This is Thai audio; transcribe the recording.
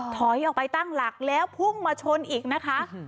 ถอยออกไปตั้งหลักแล้วพุ่งมาชนอีกนะคะ